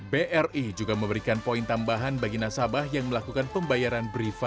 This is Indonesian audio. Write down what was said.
bri juga memberikan poin tambahan bagi nasabah yang melakukan pembayaran